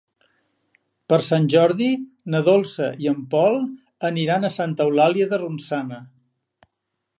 Per Sant Jordi na Dolça i en Pol aniran a Santa Eulàlia de Ronçana.